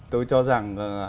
tôi cho rằng